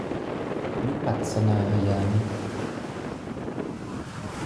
วิปัสสนายานิก